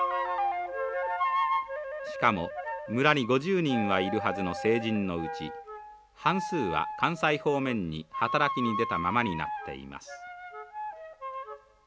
しかも村に５０人はいるはずの成人のうち半数は関西方面に働きに出たままになっています。